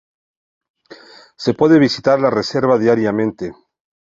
Se puede visitar la reserva diariamente.